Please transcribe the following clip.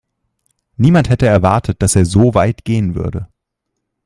Niemand hätte erwartet, dass er so weit gehen würde.